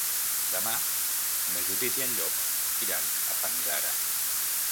Demà na Judit i en Llop iran a Fanzara.